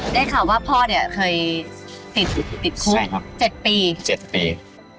ได้ข่าวว่าพ่อเนี่ยเคยติดคุม